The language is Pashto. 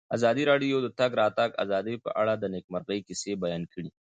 ازادي راډیو د د تګ راتګ ازادي په اړه د نېکمرغۍ کیسې بیان کړې.